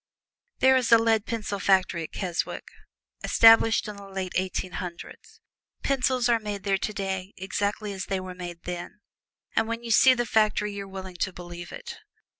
There is a lead pencil factory at Keswick, established in the year Eighteen Hundred. Pencils are made there today exactly as they were made then, and when you see the factory you are willing to believe it.